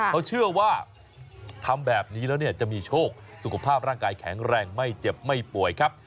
เขาเชื่อว่าทำแบบนี้แล้วเนี่ยจะมีโชคสุขภาพร่างกายแข็งแรงไม่เจ็บไม่ป่วยครับ